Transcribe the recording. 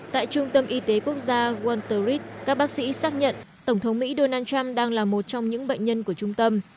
tại trung tâm y tế quốc gia walterres các bác sĩ xác nhận tổng thống mỹ donald trump đang là một trong những bệnh nhân của trung tâm